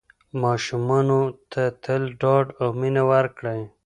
ماشومانو ته تل ډاډ او مینه ورکړئ.